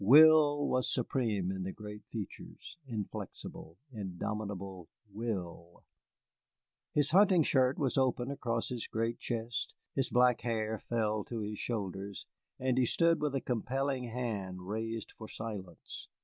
Will was supreme in the great features, inflexible, indomitable will. His hunting shirt was open across his great chest, his black hair fell to his shoulders, and he stood with a compelling hand raised for silence.